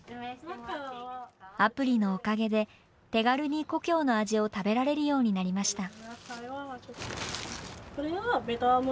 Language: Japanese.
アプリのおかげで、手軽に故郷の味を食べられるようになりました。